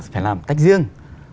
phải làm cách riêng